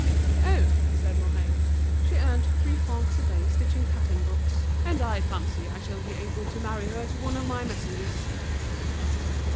"Oh," said Mouret, "she earns three francs a day stitching pattern books, and I fancy I shall be able to marry her to one of my messengers."